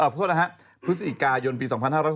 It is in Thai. พฤษฎีกายนปี๒๕๖๐